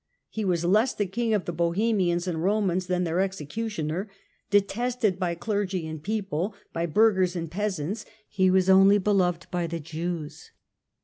He was less the King of the Bohemians and Komans than their executioner ; detested by clergy and people, by burghers and peasants, he was only beloved by the Jews."